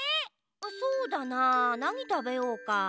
そうだななにたべようか？